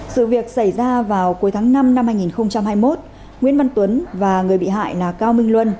sự việc xảy ra vào cuối tháng năm năm hai nghìn hai mươi một nguyễn văn tuấn và người bị hại là cao minh luân